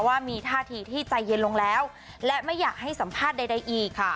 ว่ามีท่าทีที่ใจเย็นลงแล้วและไม่อยากให้สัมภาษณ์ใดอีกค่ะ